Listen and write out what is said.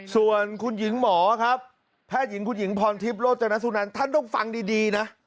ส่วนคุณหญิงหมอครับแพทย์หญิงคุณหญิงพรทิพย์โรจนสุนันท่านต้องฟังดีนะ